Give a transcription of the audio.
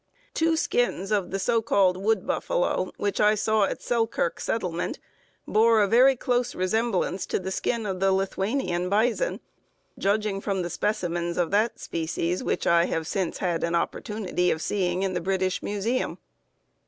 Two skins of the so called wood buffalo, which I saw at Selkirk Settlement, bore a very close resemblance to the skin of the Lithuanian bison, judging from the specimens of that species which I have since had an opportunity of seeing in the British Museum.